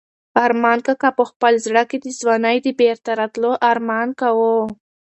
ارمان کاکا په خپل زړه کې د ځوانۍ د بېرته راتلو ارمان کاوه.